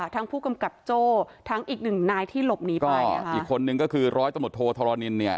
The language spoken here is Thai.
ทั้งผู้กำกับโจ้ทั้งอีกหนึ่งนายที่หลบหนีไปนะฮะก็อีกคนนึงก็คือ